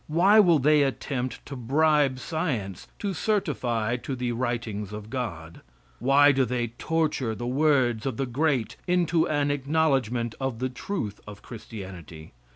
Why will they attempt to bribe science to certify to the writings of God? Why do they torture the words of the great into an acknowledgment of the truth of Christianity?